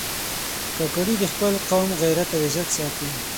کاکړي د خپل قوم غیرت او عزت ساتي.